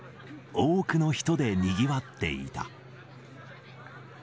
多くの人でにぎわっていた。